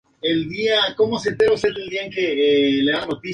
Une los suburbios orientales a la estación de Saint-Lazare.